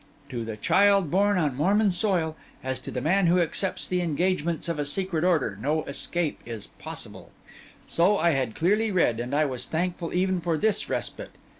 To the child born on Mormon soil, as to the man who accepts the engagements of a secret order, no escape is possible; so I had clearly read, and I was thankful even for this respite.